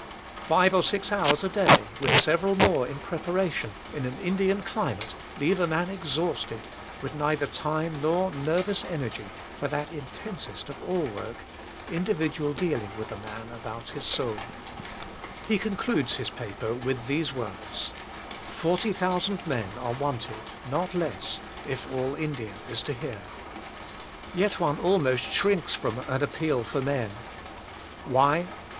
Five or six hours a day, with several more in prepara tion, in an Indian climate, leave a man ex Soul Winning 159 hausted, with neither time nor nervous energy for That Intensest of all Work, Individual Dealing with a Man about His Soul/' He concludes his paper with these words: " 40,000 men are wanted, not less, if all India is to hear. Yet one almost shrinks from an appeal for men. Why?